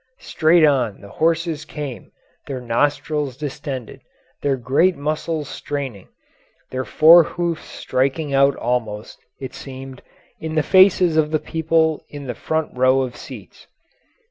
Straight on the horses came, their nostrils distended, their great muscles straining, their fore hoofs striking out almost, it seemed, in the faces of the people in the front row of seats.